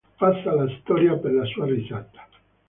Passa alla storia per la sua risata.